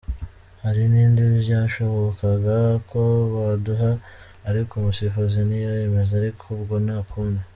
Hari n’indi byashobokaga ko baduha ariko umusifuzi ntiyayemeza ariko ubwo nta kundi.”